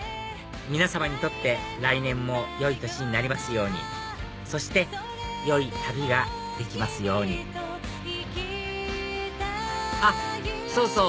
皆様にとって来年も良い年になりますようにそして良い旅ができますようにあっそうそう！